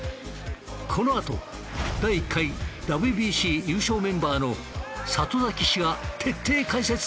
このあと第１回ＷＢＣ優勝メンバーの里崎氏が徹底解説する。